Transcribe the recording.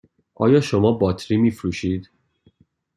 آیا شما باطری می فروشید؟